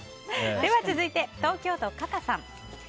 続いて、東京都の方。